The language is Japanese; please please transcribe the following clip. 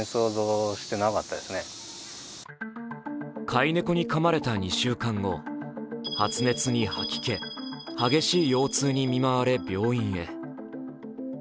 飼い猫にかまれた２週間後発熱に吐き気、激しい腰痛に見舞われ病院へ。